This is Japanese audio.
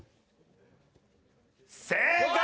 正解！